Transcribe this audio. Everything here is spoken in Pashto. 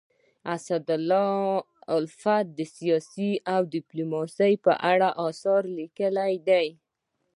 اسدالله الفت د سیاست او ډيپلوماسی په اړه اثار لیکلي دي.